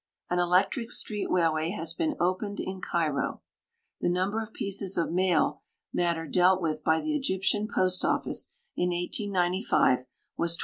An electric street railway has been opened in Cairo. The numl>er of pieces of mail matter dealt with by the Egyptian post oliice in 1895 was 22.